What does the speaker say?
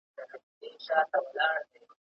¬ انسان د خطا خالي نه دئ.